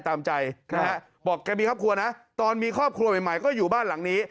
ตามใจนะฮะบอกแกมีครอบครัวนะตอนมีครอบครัวใหม่ก็อยู่บ้านหลังนี้